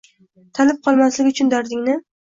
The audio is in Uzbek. tanib qolmasligi uchun dardingni